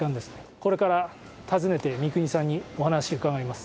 これから訪ねて三國さんにお話を伺います。